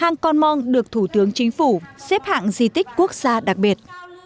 mang con mong được thủ tướng chính phủ xếp hạng di tích quốc gia đặc biệt